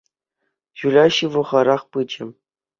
Юля ҫывӑхарах пычӗ.